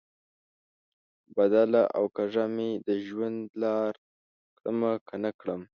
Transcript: بدله او کږه مې د ژوند لار کړمه، که نه کړم؟